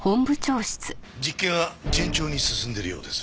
実験は順調に進んでいるようです。